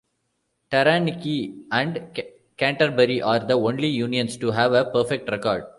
Taranaki and Canterbury are the only unions to have a perfect record.